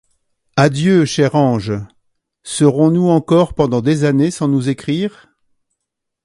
Adieu, cher ange, serons-nous encore pendant des années sans nous écrire?